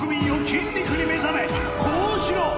筋肉に目覚め呼応しろ！